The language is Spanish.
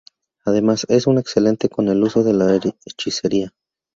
Además, es un excelente con el uso de la hechicería.